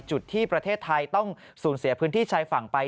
จุดที่ประเทศไทยต้องสูญเสียพื้นที่ชายฝั่งไป